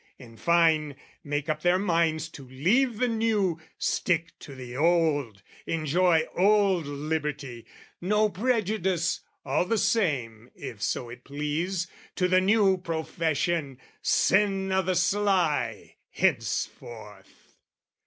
In fine make up their minds to leave the new, Stick to the old, enjoy old liberty, No prejudice, all the same, if so it please, To the new profession: sin o' the sly, henceforth!